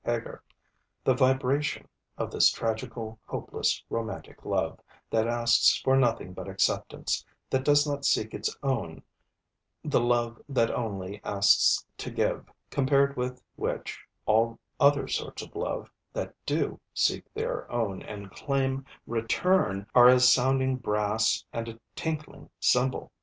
Heger, the 'vibration' of this tragical, hopeless, romantic love, that asks for nothing but acceptance, that does not 'seek its own' the love that only asks to give, compared with which all other sorts of love, that do seek their own and claim return, are as sounding brass and a tinkling cymbal.